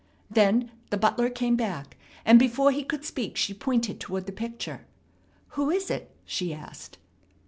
Then the butler came back, and before he could speak she pointed toward the picture. "Who is it?" she asked.